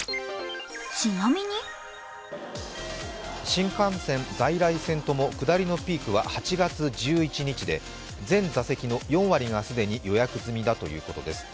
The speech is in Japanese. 新幹線、在来線とも下りのピークは８月１１日で、全座席の４割が既に予約済みだということです。